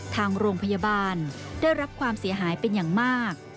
ทางโรงพยาบาลได้รับความเสียหายเป็นอย่างมาก